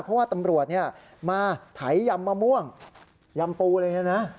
เพราะว่าตำรวจมาถ่ายยำมะม่วงยำปูเลยนะ